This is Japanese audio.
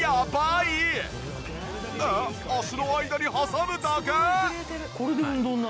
えっ脚の間に挟むだけ？